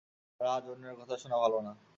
রাজ, অন্যের কথা শুনা ভালো না।